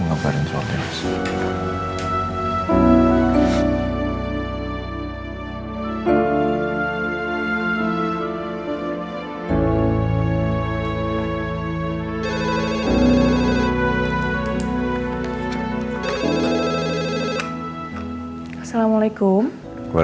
ngapain soal ini sih